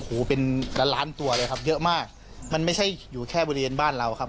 โอ้โหเป็นล้านล้านตัวเลยครับเยอะมากมันไม่ใช่อยู่แค่บริเวณบ้านเราครับ